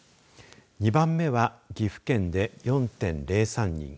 ２番目は岐阜県で４．０３人。